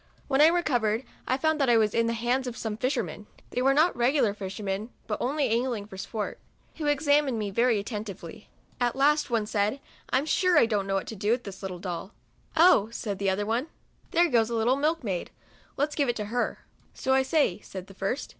When I recovered, I found that I was in the hands of some fishermen, (they were not regular fishermen, but only angling for sport,) who examined me very atten tively. At last one said, "I'm sure I don't know what to do with this little doll." " Oh !" said the other one, " there 44 MEMOIRS OF A goes a little milk maid, let's give it to her." " So I say," said the first.